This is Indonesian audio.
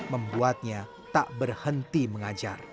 membuatnya tak berhenti mengajar